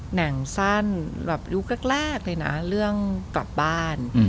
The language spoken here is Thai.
หนังสั้นแบบยุคแรกเลยนะเรื่องกลับบ้าน